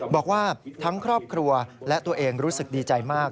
บอกว่าทั้งครอบครัวและตัวเองรู้สึกดีใจมาก